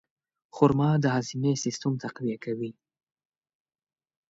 خرما د هاضمې سیستم تقویه کوي.